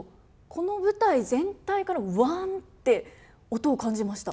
この舞台全体からウワンって音を感じました。